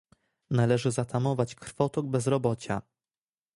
Należy zatamować krwotok bezrobocia